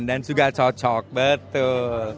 dan juga cocok betul